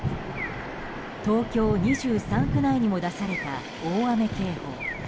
東京２３区内にも出された大雨警報。